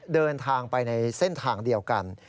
เดินทางไปในเส้นทางเดียวกัน